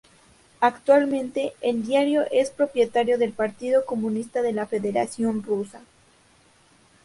Actualmente, el diario es propiedad del Partido Comunista de la Federación Rusa.